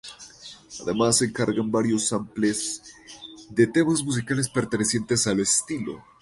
Además, se cargan varios samples de temas musicales pertenecientes al estilo.